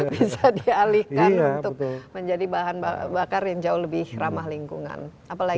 bisa dialihkan untuk menjadi bahan bakar yang jauh lebih ramah lingkungan apalagi